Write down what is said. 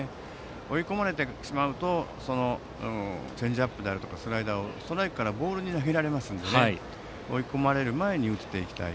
追い込まれてしまうとチェンジアップやスライダーをストライクからボールに投げられますので追い込まれる前に打っていきたい。